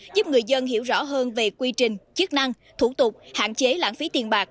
giúp người dân hiểu rõ hơn về quy trình chức năng thủ tục hạn chế lãng phí tiền bạc